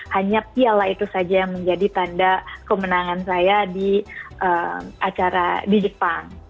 hanya piala itu saja yang menjadi tanda kemenangan saya di acara di jepang